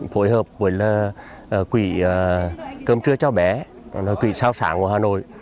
phối hợp với quỹ cơm trưa cho bé quỹ sao sáng của hà nội